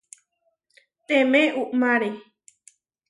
Temé uʼmáre.